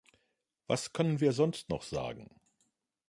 Was können wir sonst noch sagen?